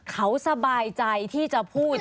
เขาสบายใจที่จะพูด